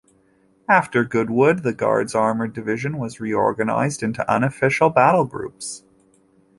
After Goodwood the Guards Armoured Division was reorganized into unofficial battlegroups.